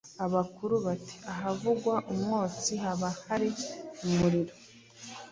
abakuru bati’’ahavugwa umwotsi haba hari umuriro.